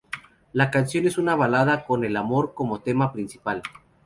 La canción es una balada con el amor como tema principal.